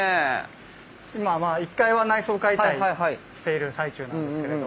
今１階は内装解体している最中なんですけれど。